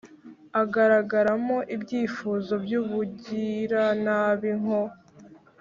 agaragara mo ibyifuzo by'ubug-ira nabi: nko